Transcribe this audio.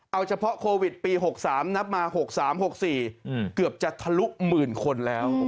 เอาเฉพาะโควิดปี๖๓นับมา๖๓๖๔เกือบจะทะลุหมื่นคนแล้ว